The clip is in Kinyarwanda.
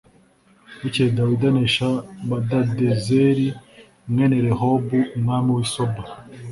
Bukeye Dawidi anesha Hadadezeri mwene Rehobu umwami w’i Soba